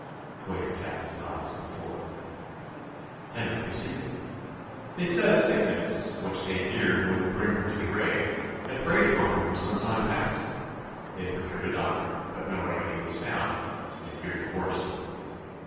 William cast his eyes on the floor. Henry proceeded "They said a sickness, which they feared would bring her to the grave, had preyed upon her for some time past. They had procured a doctor: but no remedy was found, and they feared the worst."